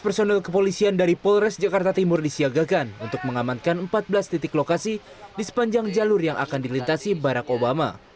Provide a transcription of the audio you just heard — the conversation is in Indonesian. personil kepolisian dari polres jakarta timur disiagakan untuk mengamankan empat belas titik lokasi di sepanjang jalur yang akan dilintasi barack obama